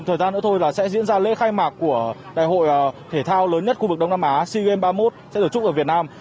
thời gian nữa thôi là sẽ diễn ra lễ khai mạc của đại hội thể thao lớn nhất khu vực đông nam á sigenz ba mươi một sẽ được trụng ở việt nam